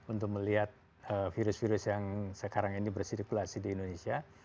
untuk melihat virus virus yang sekarang ini bersirkulasi di indonesia